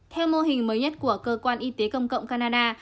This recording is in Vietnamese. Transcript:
theo mô hình mới nhất của cơ quan y tế công cộng canada